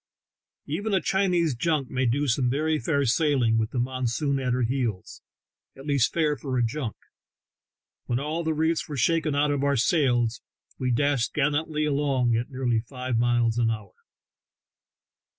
Even a Chinese junk may do some yery fair sailing with the monsoon at her heels — THE TALKING HANDKERCHIEF. 17 at least fair for a junk. When all the reefs were shaken out of our sails we dashed gallantly along at nearly five miles an hour.